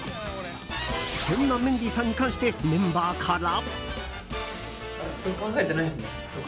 そんなメンディーさんに関してメンバーから。